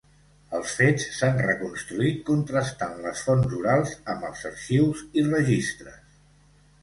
Els fets s’han reconstruït contrastant les fonts orals amb els arxius i registres.